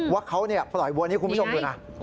ว่าเขาปล่อยวัวนี้คุณผู้ชมดูนะ